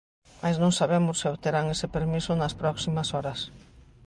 Mais non sabemos se obterán ese permiso nas próximas horas.